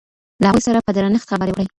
له هغوی سره په درنښت خبرې وکړئ.